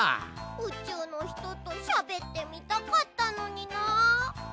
うちゅうのひととしゃべってみたかったのにな。